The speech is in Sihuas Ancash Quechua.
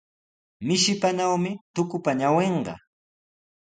Mishipanawmi tukupa ñawinqa.